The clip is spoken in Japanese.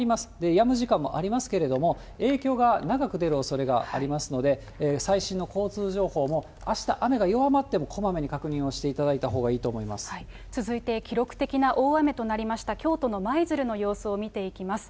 やむ時間もありますけれども、影響が長く出るおそれがありますので、最新の交通情報もあした、雨が弱まってもこまめに確認をしていただいたほうがいいと思いま続いて、記録的な大雨となりました京都の舞鶴の様子を見ていきます。